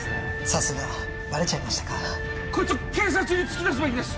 さすがバレちゃいましたかコイツを警察に突き出すべきです